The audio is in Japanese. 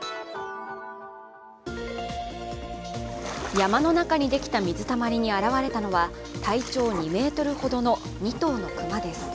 山の中にできた水たまりに現れたのは体長２ｍほどの２頭のクマです。